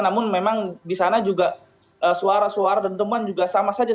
namun memang di sana juga suara suara dan temuan juga sama saja